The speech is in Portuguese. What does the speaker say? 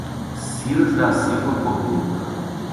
Cilas da Silva Cordeiro